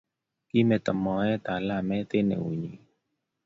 Kimeto moet alamet eng eunnyi